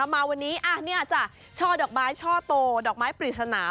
มาวันนี้ช่อดอกไม้ช่อโตดอกไม้ปริศนา